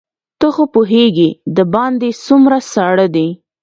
ته خو پوهېږې دباندې څومره ساړه دي.